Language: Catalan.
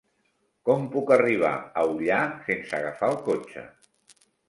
Com puc arribar a Ullà sense agafar el cotxe?